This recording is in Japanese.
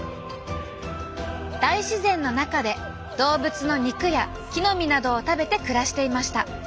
大自然の中で動物の肉や木の実などを食べて暮らしていました。